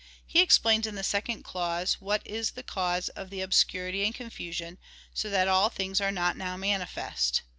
He explains in the second clause, what is the cause of the obscurity and confusion, so that all things are not now manifest.